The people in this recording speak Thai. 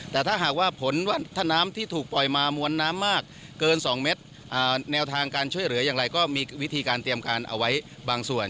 แต่ถ้าหากว่าผลว่าถ้าน้ำที่ถูกปล่อยมามวลน้ำมากเกิน๒เมตรแนวทางการช่วยเหลืออย่างไรก็มีวิธีการเตรียมการเอาไว้บางส่วน